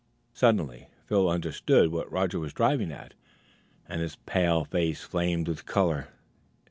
Suddenly Phil understood what Roger was driving at, and his pale face flamed with color.